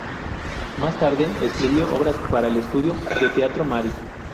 Más tarde escribió obras para el estudio de teatro marí.